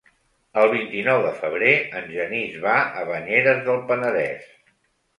El vint-i-nou de febrer en Genís va a Banyeres del Penedès.